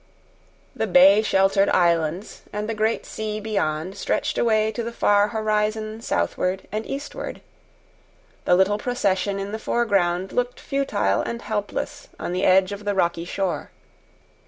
The bay sheltered islands and the great sea beyond stretched away to the far horizon southward and eastward; the little procession in the foreground looked futile and helpless on the edge of the rocky shore.